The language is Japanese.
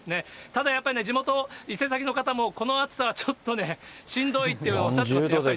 ただやっぱりね、地元、伊勢崎の方もこの暑さはちょっとね、しんどいっておっしゃっていました。